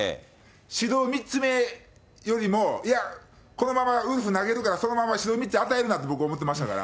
指導３つ目よりも、いや、このままウルフ投げるから、そのまま指導３つ与えるなって僕、思ってましたから。